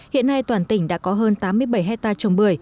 hiện nay toàn tỉnh đã có hơn tám mươi bảy hectare trồng bưởi